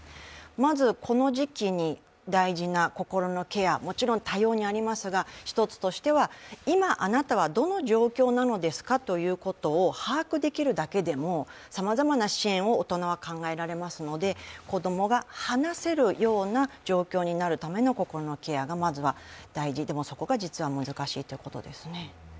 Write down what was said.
まず、この時期に大事な心のケア、もちろん多様にありますが、一つとしては、今あなたはどの状況なのですかということを把握できるだけでも、さまざまな支援を大人は考えられますので、子供が話せるような状況になるための心のケアがまず大事で実は難しいところです。